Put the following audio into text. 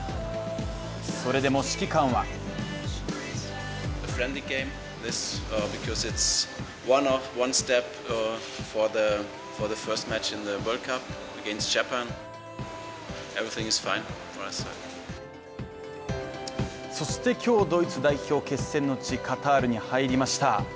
それでも指揮官はそして今日、ドイツ代表、決戦の地カタールに入りました。